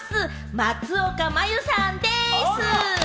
松岡茉優さんでぃす！